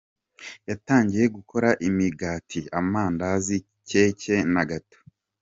Yatangiye gukora imigati, amandazi, keke na gato.